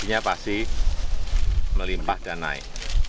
harganya pasti melimpah dan naik